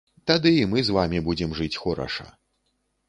Тады і мы з вамі будзем жыць хораша.